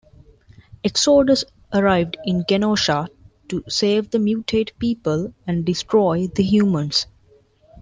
Exodus arrived in Genosha to save the mutate people and destroy the humans.